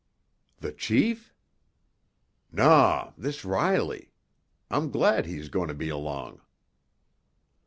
"The chief?" "Naw! This Riley. I'm glad he's goin' to be along."